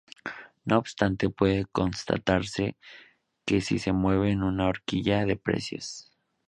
No obstante, puede constatarse que sí se mueven en una horquilla de precios.